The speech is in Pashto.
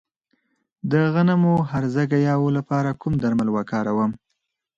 د غنمو د هرزه ګیاوو لپاره کوم درمل وکاروم؟